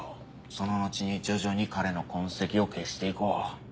その後に徐々に彼の痕跡を消していこう。